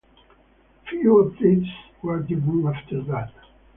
Few updates were given after that.